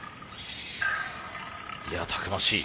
いやたくましい。